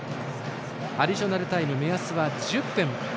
アディショナルタイム目安は１０分。